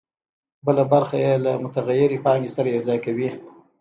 بله برخه یې له متغیرې پانګې سره یوځای کوي